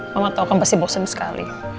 mama tau kamu pasti bosan sekali